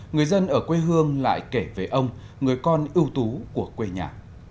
người dân ở quê hương lại kể về ông người con ưu tú của quê nhà